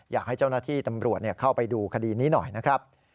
อยากให้เจ้าหน้าที่ตำรวจเข้าไปดูคดีนี้หน่อยนะครับ